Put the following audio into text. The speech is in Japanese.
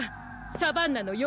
サバンナのよ